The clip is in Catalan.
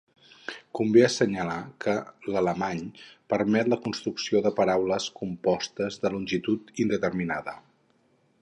Convé assenyalar que l'alemany permet la construcció de paraules compostes de longitud indeterminada.